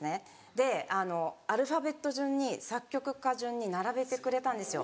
でアルファベット順に作曲家順に並べてくれたんですよ。